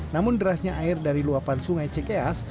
namun derasnya air dari luapan sungai cekeas